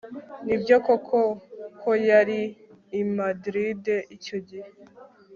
Nibyo koko ko wari i Madrid icyo gihe